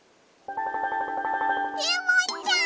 レモンちゃん！